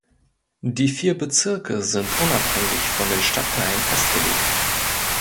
Die vier Bezirke sind unabhängig von den Stadtteilen festgelegt.